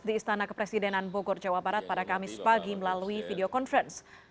di istana kepresidenan bogor jawa barat pada kamis pagi melalui video conference